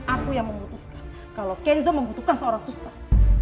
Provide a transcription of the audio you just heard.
aku yang memutuskan kalau kenzo membutuhkan seorang suster